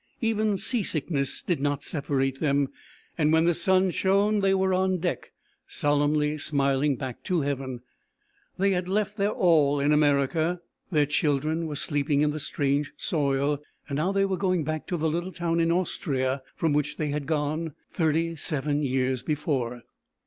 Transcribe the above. Even seasickness did not separate them and when the sun shone they were on deck, solemnly smiling back to heaven. They had left their all in America; their children were sleeping in the strange soil, and now they were going back to the little town in Austria from which they had gone thirty seven years before.